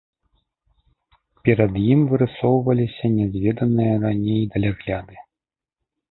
Перад ім вырысоўваліся нязведаныя раней далягляды.